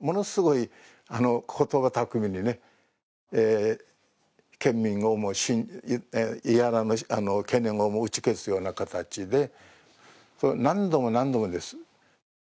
ものすごい言葉巧みにね、県民や屋良の懸念を打ち消すような形で、何度も何度もです。